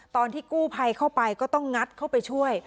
ตอนที่กู้ภัยเข้าไปก็ต้องงัดเข้าไปช่วย